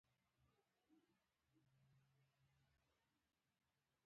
د بولان دره په کوم لوري کې ده؟